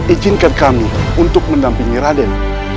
ijinkan kami untuk mendampingi raden